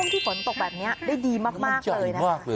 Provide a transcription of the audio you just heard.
ที่ฝนตกแบบนี้ได้ดีมากเลยนะ